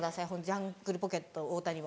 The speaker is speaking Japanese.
ジャングルポケット・太田には。